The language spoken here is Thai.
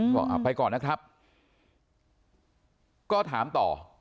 ก็ไปก่อนนะครับก็ถามต่อ